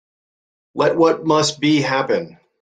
Let what must be, happen.